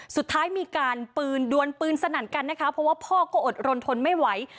สุดท้ายมีการปืนดวนปืนสนั่นกันนะคะเพราะว่าพ่อก็อดรนทนไม่ไหว